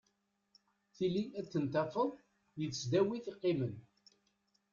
Tili ad ten-tafeḍ deg tesdawit i qqimen.